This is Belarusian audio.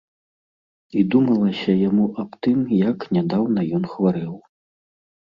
І думалася яму аб тым, як нядаўна ён хварэў.